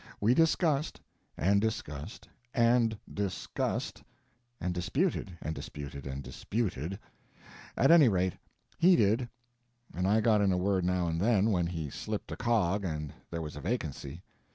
We discussed, and discussed, and discussed, and disputed and disputed and disputed; at any rate, he did, and I got in a word now and then when he slipped a cog and there was a vacancy.